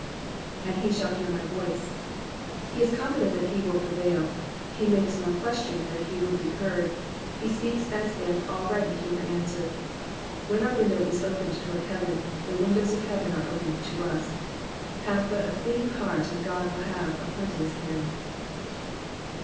^^And he shall hear my voice,'*'* He is confident that he will Erevail ; he makes no question that he would be heard, he speaks as if already e were answered. When our window is opened towards heaven, the windows of heaven are open to us. Have but a pleading heart and God will have a plenteous hand.